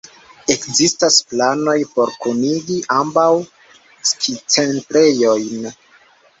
Ekzistas planoj por kunigi ambaŭ skicentrejojn.